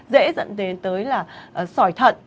dễ dẫn đến tới là sỏi thận